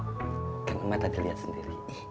mak kan emak tadi liat sendiri